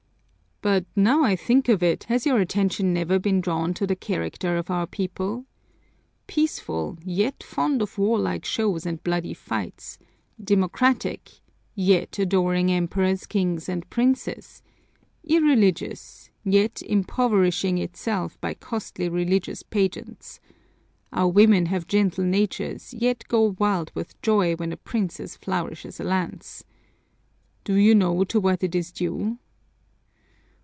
"But now I think of it, has your attention never been drawn to the character of our people? Peaceful, yet fond of warlike shows and bloody fights; democratic, yet adoring emperors, kings, and princes; irreligious, yet impoverishing itself by costly religious pageants. Our women have gentle natures yet go wild with joy when a princess flourishes a lance. Do you know to what it is due?